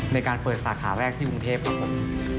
ในการเปิดสาขาแรกที่กรุงเทพครับผม